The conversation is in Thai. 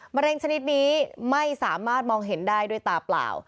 เร็งชนิดนี้ไม่สามารถมองเห็นได้ด้วยตาเปล่า